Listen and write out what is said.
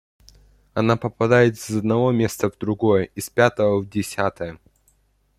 Она попадает из одного места в другое, из пятого в десятое